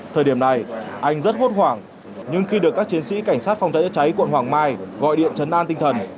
thời điểm này anh rất hốt hoảng nhưng khi được các chiến sĩ cảnh sát phòng cháy chữa cháy quận hoàng mai gọi điện chấn an tinh thần